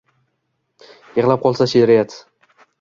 Yig’lab qolsa she’riyat.